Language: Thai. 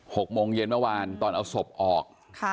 หกโมงเย็นเมื่อวานตอนเอาศพออกค่ะ